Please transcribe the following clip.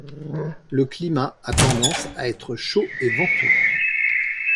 Le climat a tendance à être chaud et venteux.